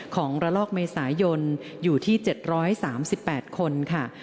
ของระลอกเมษายนอยู่ที่๗๓๘คนค่ะ